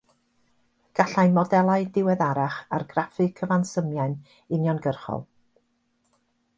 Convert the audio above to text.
Gallai modelau diweddarach argraffu cyfansymiau'n uniongyrchol.